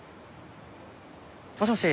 もしもし。